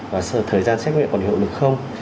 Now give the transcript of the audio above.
và thời gian xét nghiệm còn hiệu lực không